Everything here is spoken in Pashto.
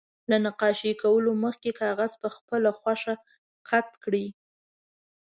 له نقاشي کولو مخکې کاغذ په خپله خوښه قات کړئ.